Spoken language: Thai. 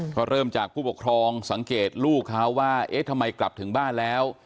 ก็เริ่มจากผู้ปกครองสังเกตลูกเขาว่าเอ๊ะทำไมกลับถึงบ้านแล้ว